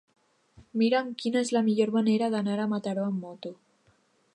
Mira'm quina és la millor manera d'anar a Mataró amb moto.